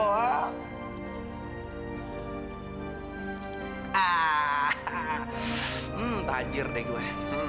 hmm tajir deh gue